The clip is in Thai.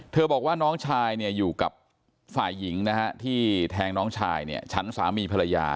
เธอบอกว่าน้องชายอยู่กับฝ่ายหญิงที่แทงน้องชายชั้นสามีภรรยา